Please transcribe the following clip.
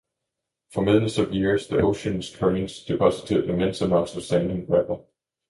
For millions of years, the ocean's currents deposited immense amounts of sand and gravel.